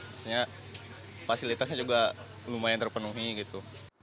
maksudnya fasilitasnya juga lumayan terpenuhi gitu